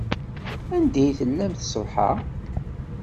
Anda i tellamt ṣṣbeḥ-a?